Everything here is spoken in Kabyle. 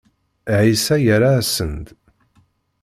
Ɛisa yerra-asen-d.